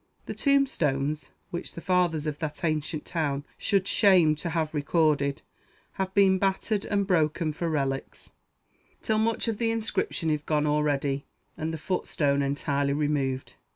The tombstones (which the fathers of that ancient town should shame to have recorded) have been battered and broken for relics, till much of the inscription is gone already, and the footstone entirely removed.